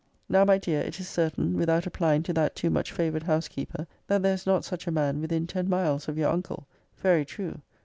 >>> Now, my dear, it is certain, without applying to that too much favoured housekeeper, that there is not such a man within ten miles of your uncle. Very true!